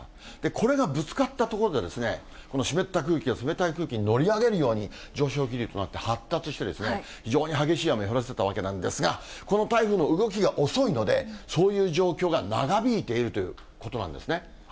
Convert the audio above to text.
これがぶつかった所で湿った空気が冷たい空気に乗り上げるように上昇気流となって発達して、非常に激しい雨降らせたわけなんですが、この台風の動きが遅いので、そういう状況が長引いているということなんですね。